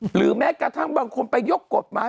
หรือแม้กระทั่งบางคนไปยกกฎหมาย